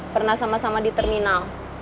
pernah sama sama di terminal